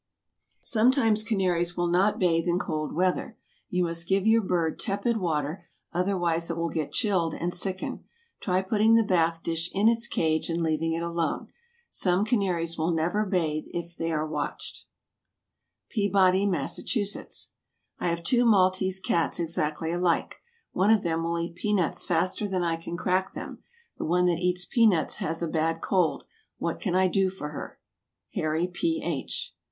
Sometimes canaries will not bathe in cold weather. You must give your bird tepid water, otherwise it will get chilled, and sicken. Try putting the bath dish in its cage and leaving it alone. Some canaries will never bathe if they are watched. PEABODY, MASSACHUSETTS. I have two Maltese cats exactly alike. One of them will eat pea nuts faster than I can crack them. The one that eats pea nuts has a bad cold. What can I do for her? HARRY P. H.